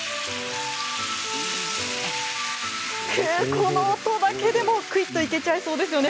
この音だけでもくいっといけちゃいそうですよね